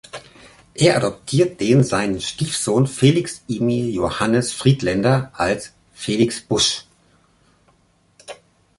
Er adoptiert den seinen Stiefsohn Felix Emil Johannes Friedländer als "Felix Busch".